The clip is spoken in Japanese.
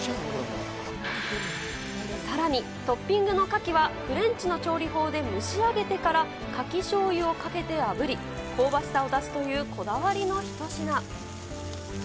さらにトッピングのカキは、フレンチの調理法で蒸し上げてから、カキしょうゆをかけてあぶり、香ばしさを出すというこだわりの一品。